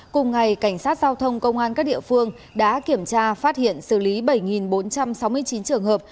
cùng ngày cảnh sát giao thông công an các địa phương đã kiểm tra phát hiện xử lý bảy bốn trăm sáu mươi chín trường hợp